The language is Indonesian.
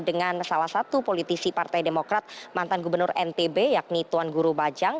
dengan salah satu politisi partai demokrat mantan gubernur ntb yakni tuan guru bajang